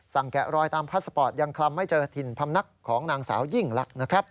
สั่งแกะรอยตามพัสสปอร์ตยังคล่ำไม่เจอถิ่นพำนักของนางสาวยิ่งละ